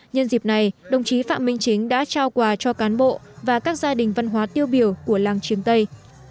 nhân dịp này đồng chí phạm minh chính đã trao quà cho cán bộ và các gia đình văn hóa tiêu biểu của làng trường tây